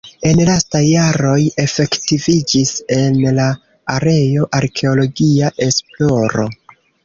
En lastaj jaroj efektiviĝis en la areo arkeologia esploro.